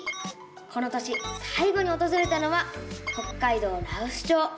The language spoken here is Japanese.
この年さい後におとずれたのは北海道羅臼町。